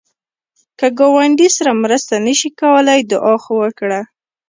که ګاونډي سره مرسته نشې کولای، دعا خو وکړه